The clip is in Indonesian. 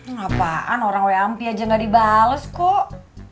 ngapaan orang weh ampi aja nggak dibalas kok